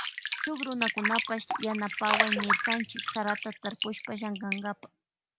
Shuk runakunatapash yanapaway nirkanchi sarata tarpushpa llankankapa.